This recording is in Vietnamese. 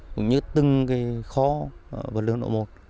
cũng như từng kho vật liệu nổ một